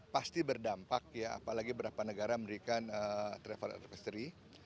pasti berdampak ya apalagi berapa negara memberikan travel advestory